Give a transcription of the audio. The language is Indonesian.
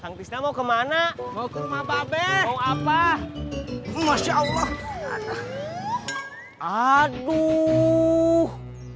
tanggisnya mau kemana mau ke rumah babes apa masya allah aduh